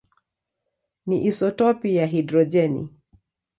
ni isotopi ya hidrojeni.